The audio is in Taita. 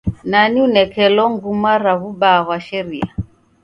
Nani unekelo nguma ra w'ubaa ghwa sharia?